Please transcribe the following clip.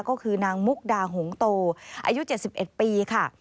ก็คือนางมุกดาหงโตอายุ๗๑ปีค่ะ